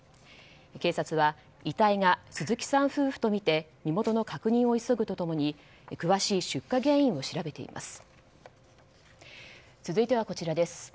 警察は遺体が鈴木さん夫婦とみて身元の確認を急ぐと共に詳しい出火原因を調べています。